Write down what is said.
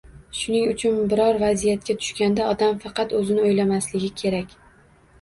Shuning uchun biror vaziyatga tushganda odam faqat o‘zini o‘ylamasligi kerak.